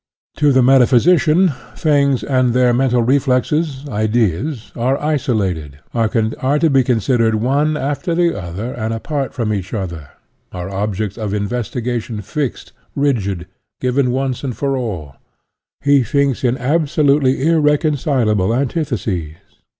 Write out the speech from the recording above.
To the metaphysician, things and their mental reflexes, ideas, are isolated, are to be 80 SOCIALISM considered one after the other and apart from each other, are objects of investiga tion fixed, rigid, given once for all. He thinks in absolutely irreconcilable antitheses.